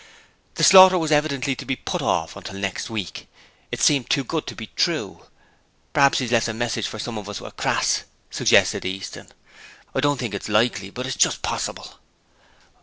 The slaughter was evidently to be put off until next week! It seemed too good to be true. 'P'hap's 'e's left a message for some of us with Crass?' suggested Easton. 'I don't think it's likely, but it's just possible.'